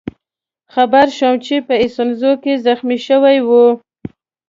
خبر شوم چې په ایسونزو کې زخمي شوی وئ.